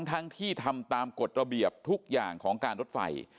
ทั้งที่ทำตามกฎระเบียบทุกอย่างของการรถไฟ